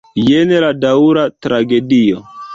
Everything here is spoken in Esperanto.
Jen la daŭra tragedio.